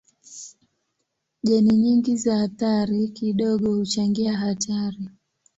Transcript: Jeni nyingi za athari kidogo huchangia hatari.